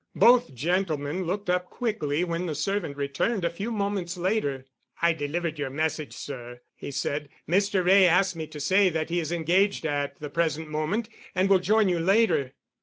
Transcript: Both gentlemen looked up quickly when the servant returned a few moments later. "I delivered your message, sir," he said. "Mr. Wray asked me to say that he is engaged at the present moment and will join you later."